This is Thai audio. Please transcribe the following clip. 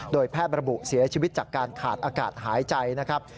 โดยแพทย์ระบุเสียชีวิตจากการขาดอากาศหายใจนะครับ